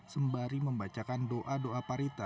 sembari membacakan doa doa parita